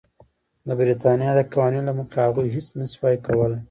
د برېټانیا د قوانینو له مخې هغوی هېڅ نه شوای کولای.